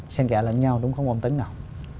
xem kẻ lẫn nhau đúng không ông tấn nào